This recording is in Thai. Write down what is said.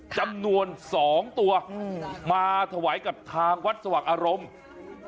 จำนวน๒ตัวมาถวายกับทางวัดสว่างอารมณ์